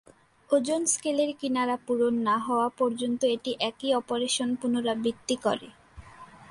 ওজন স্কেলের কিনারা পূরণ না হওয়া পর্যন্ত এটি একই অপারেশন পুনরাবৃত্তি করে।